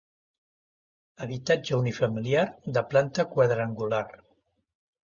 Habitatge unifamiliar de planta quadrangular.